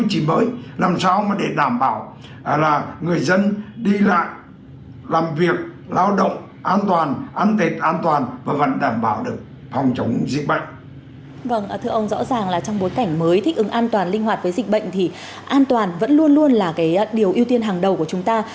thưa ông rõ ràng là trong bối cảnh mới thích ứng an toàn linh hoạt với dịch bệnh thì an toàn vẫn luôn luôn là cái điều ưu tiên hàng đầu của chúng ta